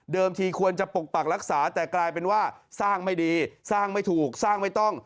ทีควรจะปกปักรักษาแต่กลายเป็นว่าสร้างไม่ดีสร้างไม่ถูกสร้างไม่ต้อง